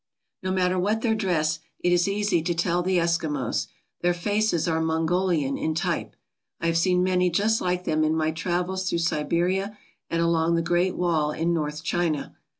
No matter what their dress, it is easy to tell the Eski mos. Their faces are Mongolian in type. I have seen many just like them in my travels through Siberia and along the Great Wall in north China.